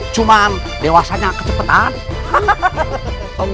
cuman dewasanya kecepatan